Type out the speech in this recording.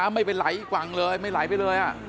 ไม่ไปไหลอีกฝั่งเลยไม่ไหลไปเลย